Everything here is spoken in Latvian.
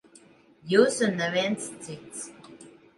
Jūs un neviens cits.